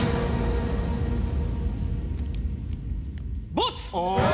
ボツ！